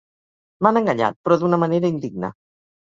M'han enganyat, però d'una manera indigna.